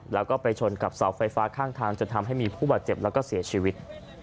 แล้วก็ไปชนกับเสาไฟฟ้าข้างทางจนทำให้มีผู้บาดเจ็บแล้วก็เสียชีวิต